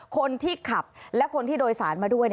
คนที่ขับและคนที่โดยสารมาด้วย